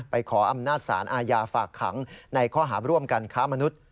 ขออำนาจสารอาญาฝากขังในข้อหาร่วมกันค้ามนุษย์